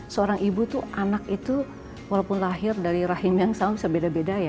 seorang ibu tuh anak itu walaupun lahir dari rahim yang sama bisa beda beda ya